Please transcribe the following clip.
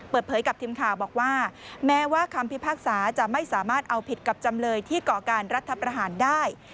เปิดเผยกับทีมข่าวบอกว่าแม้ว่าคำพิพากษาจะไม่สามารถเอาผิดกับจำเลยที่ก่อการรัฐประหารได้